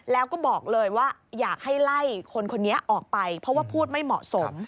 แล้วก็บอกเลยว่าอยากให้ไล่คนคนนี้ออกไปเพราะว่าพูดไม่เหมาะสม